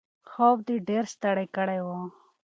خوب دی ډېر ستړی کړی و.